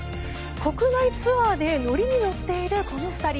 国外ツアーでノリに乗っているこの２人。